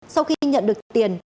sau khi nhận được tiền